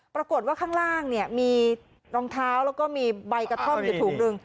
ปรากฏว่าข้างล่างเนี่ยมีรองเท้าแล้วก็มีใบกระท่อมอยู่ถุงหนึ่ง